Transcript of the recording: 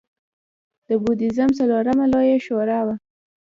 د بودیزم څلورمه لویه شورا وه